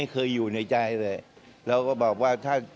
ค่ะ